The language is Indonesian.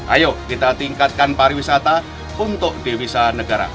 ayo kita tingkatkan pariwisata untuk dewisa negara